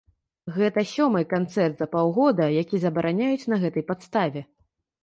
Гэта сёмы канцэрт за паўгода, які забараняюць на гэтай падставе.